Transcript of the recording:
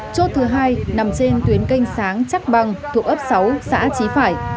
chốt thứ hai nằm trên tuyến canh sáng chắc băng thuộc ấp sáu xã trí phải